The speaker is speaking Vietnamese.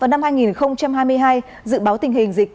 năm hai nghìn hai mươi hai dự báo tình hình dịch